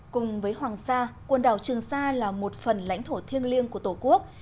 cùng với hoàng sa quần đảo trường sa là một phần lãnh thổ thiêng liêng của tổ quốc